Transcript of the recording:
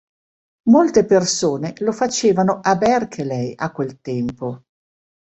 Molte persone lo facevano a Berkeley a quel tempo.